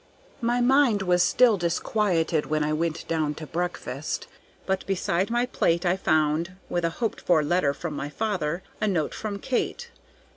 My mind was still disquieted when I went down to breakfast; but beside my plate I found, with a hoped for letter from my father, a note from Kate.